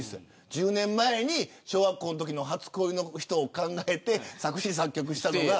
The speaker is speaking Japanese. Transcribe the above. １０年前に小学校の初恋の人を考えて作詞作曲したのが。